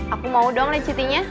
aku mau dong lecitinya